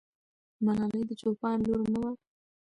ملالۍ د چوپان لور نه وه.